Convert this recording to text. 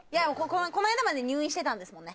この間まで入院してたんですもんね。